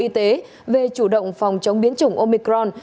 y tế về chủ động phòng chống biến chủng omicron